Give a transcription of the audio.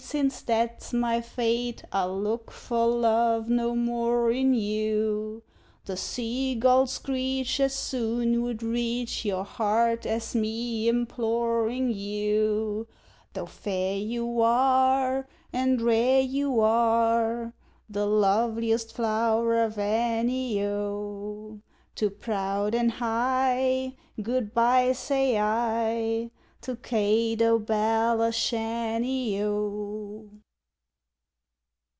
since that's my fate, I'll look for love no more in you; The seagull's screech as soon would reach Your heart, as me implorin' you. Tho' fair you are, and rare you are, The loveliest flow'r of any, O, Too proud and high, good bye, say I, To Kate o' Belashanny, O!